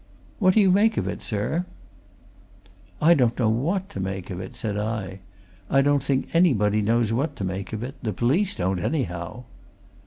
What do you make of it, sir?" "I don't know what to make of it," said I. "I don't think anybody knows what to make of it. The police don't, anyhow!"